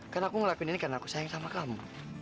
karena aku ngelakuin ini karena aku sayang sama kamu